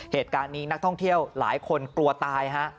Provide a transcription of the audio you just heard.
เหตุการณ์นี้นักท่องเที่ยวหลายคนกลัวตายฮะ